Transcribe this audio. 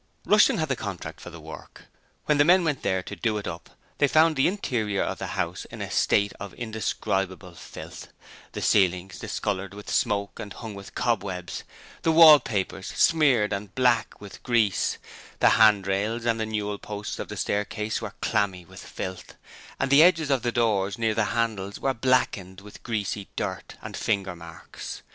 Rushton had the contract for the work. When the men went there to 'do it up' they found the interior of the house in a state of indescribable filth: the ceilings discoloured with smoke and hung with cobwebs, the wallpapers smeared and black with grease, the handrails and the newel posts of the staircase were clammy with filth, and the edges of the doors near the handles were blackened with greasy dirt and finger marks.